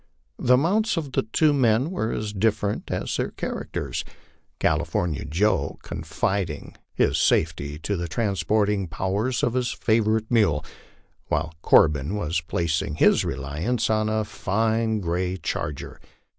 The mounts of the two men were as different as their characters, California Joe confiding his safety to the transporting powers of his favorite mule, while Corbin was placing his reliance upon a fine gray charger.